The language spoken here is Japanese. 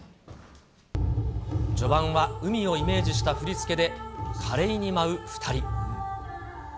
序盤は海をイメージした振り付けで、華麗に舞う２人。